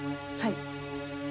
はい。